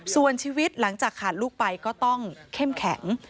ส่วนชีวิตหลังจากขาดลูกไปก็ต้องเข้มแข็ง